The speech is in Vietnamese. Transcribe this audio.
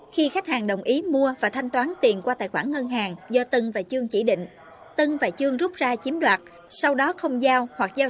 khi khách hàng đồng ý mua và thanh toán tiền qua tài khoản ngân hàng do tân và chương chỉ định tân và chương rút ra chiếm đoạt sau đó không giao hoặc